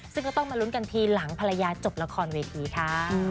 ซึ่งก็ต้องมาลุ้นกันทีหลังภรรยาจบละครเวทีค่ะ